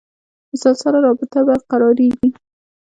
مسلسله رابطه برقرارېږي.